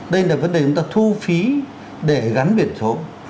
đây là vấn đề chúng ta thu phí để gắn biển số